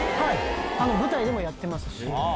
舞台でもやってますし。